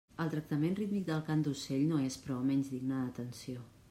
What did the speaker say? El tractament rítmic del cant d'ocell no és, però, menys digne d'atenció.